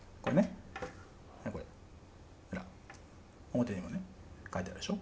表にもねかいてあるでしょ。